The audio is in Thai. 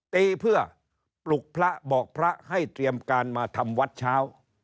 ตีเพื่อปลุกพระบอกพระให้เตรียมการมาทำวัดเช้า